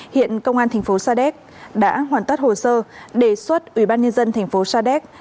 hiện công an thành phố sadek đã hoàn tất hồ sơ đề xuất ủy ban nhân dân thành phố sadek